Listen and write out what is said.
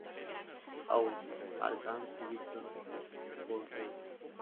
Oud, Mart Stam y Victor Bourgeois.